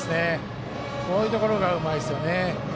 こういうところがうまいですよね。